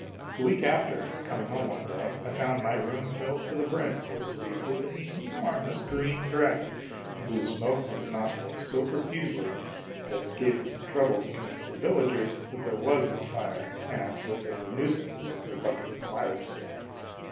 The week after, coming home one day, I found my room filled to the brim, so to speak, with an enormous green dragon, who blew smoke from his nostrils so profusely that it gave me some trouble to convince the villagers that there was no fire and that they were nuisances, with their buckets and ladders